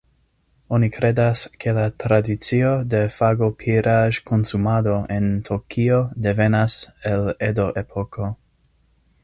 Oni kredas, ke la tradicio de fagopiraĵ-konsumado en Tokio devenas el Edo-epoko.